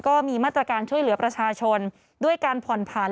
ก็มีมาตรการช่วยเหลือประชาชนด้วยการผ่อนผัน